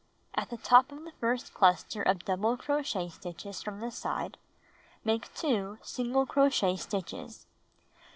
At the top of the first chister of double crochet stitches from the side, make 2 single crochet stitches.